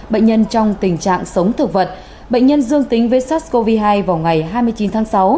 bệnh nhân trong tình trạng sống thực vật bệnh nhân dương tính với sars cov hai vào ngày hai mươi chín tháng sáu